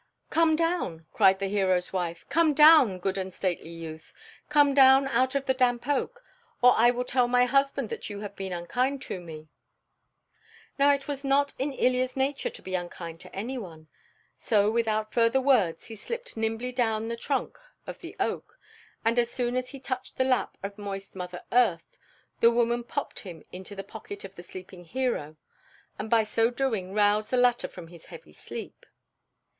"Come down," cried the hero's wife; "come down, good and stately youth. Come down out of the damp oak, or I will tell my husband that you have been unkind to me." Now it was not in Ilya's nature to be unkind to any one, so without further words he slipped nimbly down the trunk of the oak; and as soon as he touched the lap of moist Mother Earth, the woman popped him into the pocket of the sleeping hero, and by so doing roused the latter from his heavy sleep.